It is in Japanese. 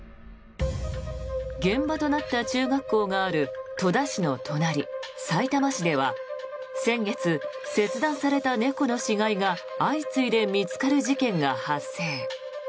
現場となった中学校がある戸田市の隣、さいたま市では先月、切断された猫の死骸が相次いで見つかる事件が発生。